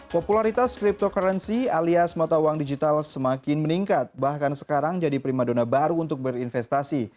popularitas cryptocurrency alias mata uang digital semakin meningkat bahkan sekarang jadi prima dona baru untuk berinvestasi